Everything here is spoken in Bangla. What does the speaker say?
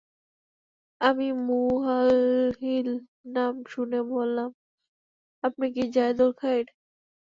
আমি মুহালহিল নাম শুনে বললাম, আপনি কি যায়দুল খাইর?